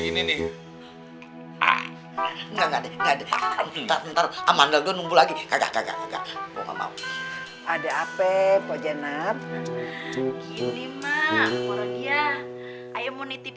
nunggu lagi ada apa pojanat